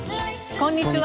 こんにちは。